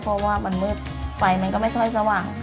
เพราะว่ามันมืดไฟมันก็ไม่ค่อยสว่าง